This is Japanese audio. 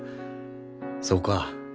そうか。